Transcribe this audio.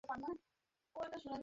সেজন্যই আমায় বেছে নিয়েছো।